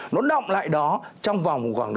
nó nọng lại đó trong vòng khoảng